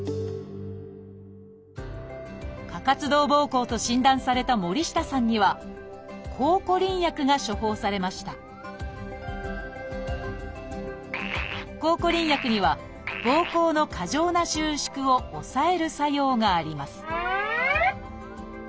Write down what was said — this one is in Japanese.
「過活動ぼうこう」と診断された森下さんには「抗コリン薬」が処方されました抗コリン薬にはぼうこうの過剰な収縮を抑える作用があります